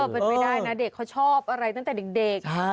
เป็นไปได้นะเด็กเขาชอบอะไรตั้งแต่เด็ก